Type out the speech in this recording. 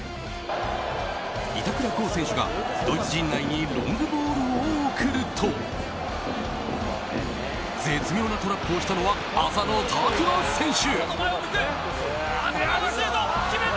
板倉滉選手がドイツ陣内にロングボールを送ると絶妙なトラップをしたのは浅野拓磨選手。